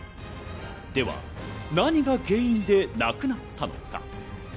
では、何が原因で亡くなったのか？